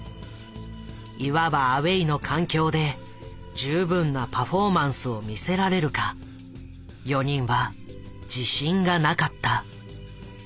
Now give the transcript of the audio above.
いわばアウェイの環境で十分なパフォーマンスを見せられるか４人は自信がなかった。